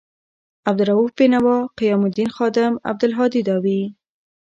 عبدا لروؤف بینوا، قیام الدین خادم، عبدالهادي داوي